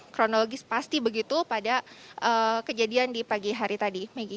dan juga kronologis pasti begitu pada kejadian di pagi hari tadi